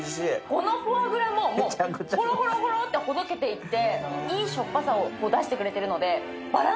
このフォアグラもホロホロとほどけていって、いいしょっぱさを出してくれてるので。